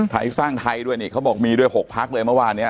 ไทยสร้างไทยด้วยนี่เขาบอกมีด้วย๖พักเลยเมื่อวานนี้